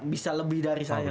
bisa lebih dari saya